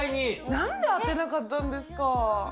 なんで当てなかったんですか？